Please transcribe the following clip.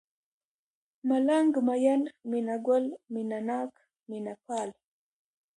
ملنگ ، مين ، مينه گل ، مينه ناک ، مينه پال